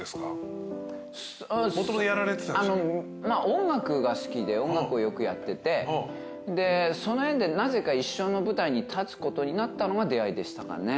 音楽が好きで音楽をよくやっててでその縁でなぜか一緒の舞台に立つことになったのが出会いでしたかね。